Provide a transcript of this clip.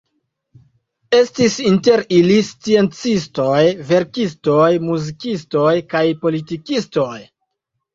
Estis inter ili sciencistoj, verkistoj, muzikistoj kaj politikistoj.